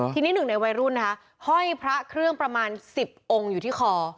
ทีนี้หนึ่งในวัยรุ่นนะคะห้อยพระเครื่องประมาณ๑๐องค์อยู่ที่คอ